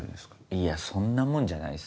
いやそんなもんじゃないっすね。